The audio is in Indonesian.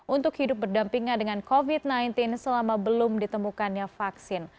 untuk hidup berdampingan dengan covid sembilan belas selama belum ditemukannya vaksin